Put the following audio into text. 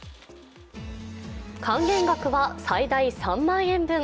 還元額は最大３万円分。